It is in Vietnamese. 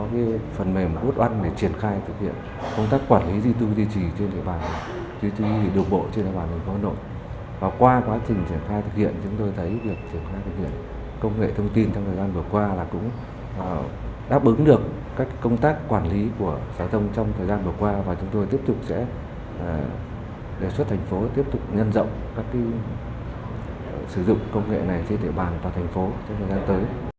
điều bộ trên đại bản thành phố hà nội và qua quá trình triển khai thực hiện chúng tôi thấy việc triển khai thực hiện công nghệ thông tin trong thời gian vừa qua là cũng đáp ứng được các công tác quản lý của giao thông trong thời gian vừa qua và chúng tôi tiếp tục sẽ đề xuất thành phố tiếp tục nhân rộng các cái sử dụng công nghệ này trên đại bản và thành phố trong thời gian tới